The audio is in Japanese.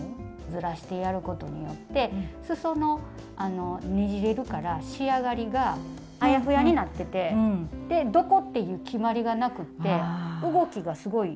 ずらしてやることによってすそのねじれるから仕上がりがあやふやになっててでどこっていう決まりがなくって動きがすごい。